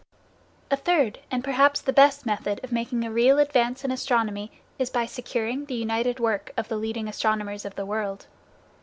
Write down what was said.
A third, and perhaps the best, method of making a real advance in astronomy is by securing the united work of the leading astronomers of the world.